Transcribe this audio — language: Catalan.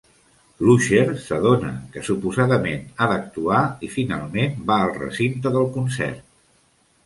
L'Usher s'adona que suposadament ha d"actuar i finalment va al recinte del concert.